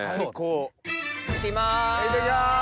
いってきます！